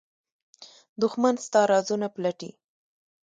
دښمن ستا رازونه پلټي